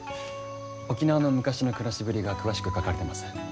沖縄の昔の暮らしぶりが詳しく書かれてます。